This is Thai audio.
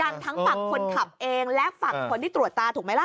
ทั้งฝั่งคนขับเองและฝั่งคนที่ตรวจตาถูกไหมล่ะ